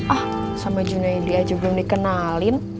ah sama junaidi aja belum dikenalin